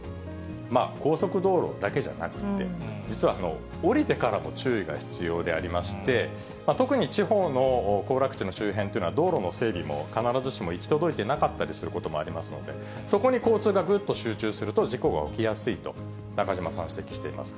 高速道路だけじゃなくて、実は降りてからも注意が必要でありまして、特に地方の行楽地の周辺というのは、道路の整備も必ずしも行き届いてなかったりすることもありますので、そこに交通がぐっと集中すると、事故が起きやすいと、中島さん、指摘しています。